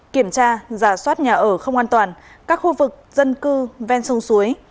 kiểm tra giả soát nhà ở không an toàn các khu vực dân cư ven sông suối